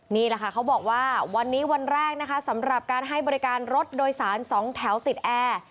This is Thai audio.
นี่แหละค่ะเขาบอกว่าวันนี้วันแรกนะคะสำหรับการให้บริการรถโดยสารสองแถวติดแอร์